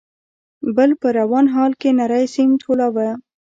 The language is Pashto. ، بل په روان حال کې نری سيم ټولاوه.